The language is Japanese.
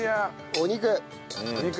お肉！